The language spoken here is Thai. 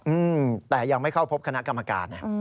อืมแต่ยังไม่เข้าพบคณะกรรมการไง